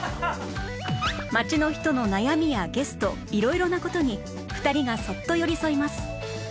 町の人の悩みやゲスト色々な事に２人がそっと寄り添います